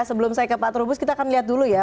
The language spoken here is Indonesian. sebelum saya ke pak trubus kita akan lihat dulu ya